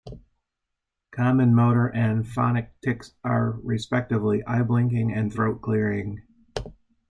Common motor and phonic tics are, respectively, eye blinking and throat clearing.